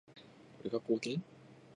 これが貢献？